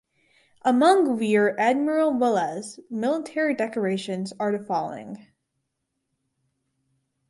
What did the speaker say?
Among Rear Admiral Velez military decorations are the following